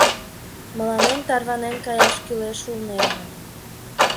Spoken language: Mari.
Мыланем тарванен каяш кӱлеш улнеже.